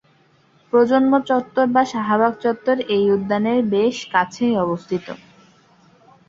প্রজন্ম চত্বর বা শাহবাগ চত্বর এই উদ্যানের বেশ কাছেই অবস্থিত।